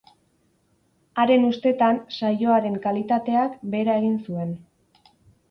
Haren ustetan, saioaren kalitateak behera egin zuen.